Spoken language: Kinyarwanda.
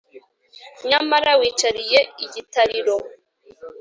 nyamara wicariye igitariro